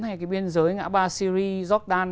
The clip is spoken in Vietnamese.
hay cái biên giới ngã ba syria jordan